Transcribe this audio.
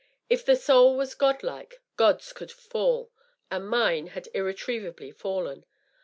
If the soul was god like, gods could fall, and mine had irretrievably fallen.